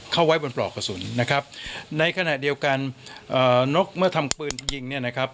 เข้าไว้บนปลอกกระสุนนะครับในขณะเดียวกันเอ่อนกเมื่อทำปืนยิงเนี่ยนะครับ